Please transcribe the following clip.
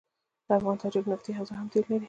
د افغان تاجک نفتي حوزه هم تیل لري.